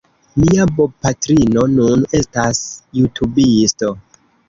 Mia bopatrino nun estas jutubisto